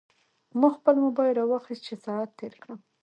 ما خپل موبایل راواخیست چې ساعت تېر کړم.